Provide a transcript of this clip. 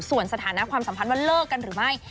ส่วนสถานะความสัมพันธ์ว่าเลิกกันหรือไม่